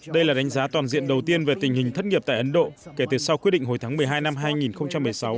đây là đánh giá toàn diện đầu tiên về tình hình thất nghiệp tại ấn độ kể từ sau quyết định hồi tháng một mươi hai năm hai nghìn một mươi sáu